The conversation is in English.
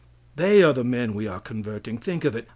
They are the men we are converting. Think of it!